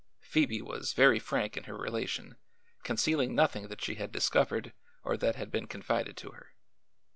Phoebe was very frank in her relation, concealing nothing that she had discovered or that had been confided to her.